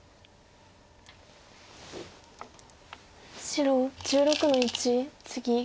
白１６の一ツギ。